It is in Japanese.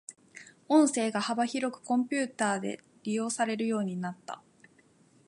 音声が幅広くコンピュータで利用されるようになった。